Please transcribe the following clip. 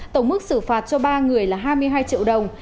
tổng mức xử phạt cho ba người là hai mươi hai triệu đồng